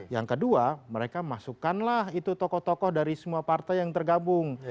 yang kedua mereka masukkanlah itu tokoh tokoh dari semua partai yang tergabung